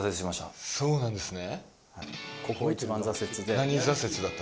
そうなんですね。